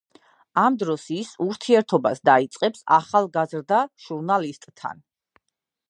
ამ დროს ის ურთიერთობას დაიწყებს ახალგაზრდა ჟურნალისტთან.